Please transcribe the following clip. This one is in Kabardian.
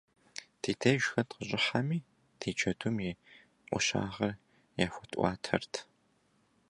Ди деж хэт къыщӏыхьэми, ди джэдум и ӏущагъыр яхуэтӏуатэрт.